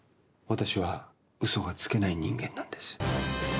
私は嘘がつけない人間なんです。